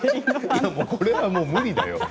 これはもう無理だよ。